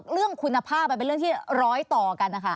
เรื่องคุณภาพมันเป็นเรื่องที่ร้อยต่อกันนะคะ